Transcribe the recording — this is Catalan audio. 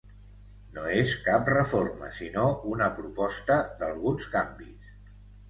No és cap reforma sinó una proposta d’alguns canvis.